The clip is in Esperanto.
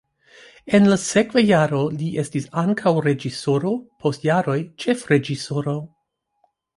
En la sekva jaro li estis ankaŭ reĝisoro, post jaroj ĉefreĝisoro.